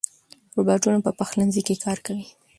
روباټونه په پخلنځي کې کار کوي.